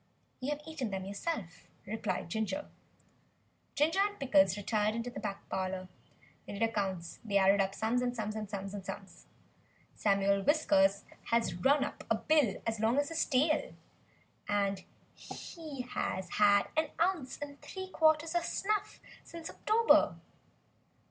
"You have eaten them yourself," replied Ginger. Ginger and Pickles retired into the back parlour. They did accounts. They added up sums and sums, and sums. "Samuel Whiskers has run up a bill as long as his tail; he has had an ounce and three quarters of snuff since October."